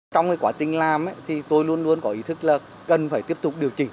trong cái quả tinh lam ấy thì tôi luôn luôn có ý thức là cần phải tiếp tục điều chỉnh